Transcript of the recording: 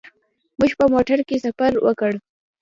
موږ په موټر کې سفر وکړ.